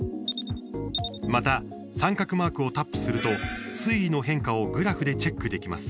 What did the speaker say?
また、三角マークをタップすると水位の変化をグラフでチェックできます。